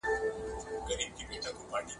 املا د حافظې لاره ده.